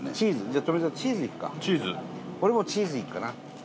俺もチーズいくかな。